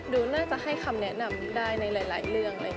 น่าจะให้คำแนะนำได้ในหลายเรื่องเลยค่ะ